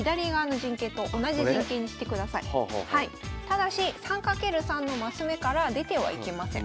ただし３掛ける３の升目から出てはいけません。